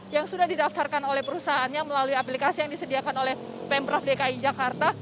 yang sudah didaftarkan oleh perusahaannya melalui aplikasi yang disediakan oleh pemprov dki jakarta